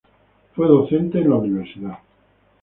Fue docente en la Univ.